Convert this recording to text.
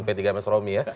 p tiga mas romi ya